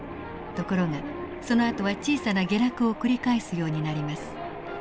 ところがそのあとは小さな下落を繰り返すようになります。